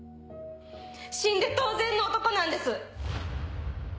死んで当然の男なんです！